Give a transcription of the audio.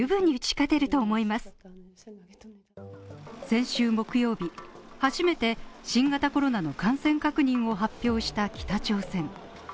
先週木曜日、初めて新型コロナの感染確認を発表した北朝鮮。